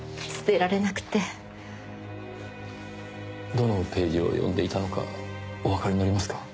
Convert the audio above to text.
どのページを読んでいたのかおわかりになりますか？